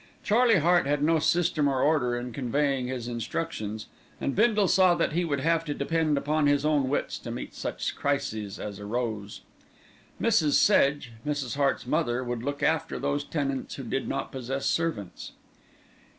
Charlie Hart had no system or order in conveying his instructions, and Bindle saw that he would have to depend upon his own wits to meet such crises as arose. Mrs. Sedge, Mrs. Hart's mother, would look after those tenants who did not possess servants.